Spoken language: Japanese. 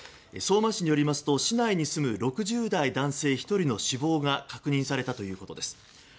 相馬市によりますと市内に住む６０代男性の１人の死亡が確認されたということです。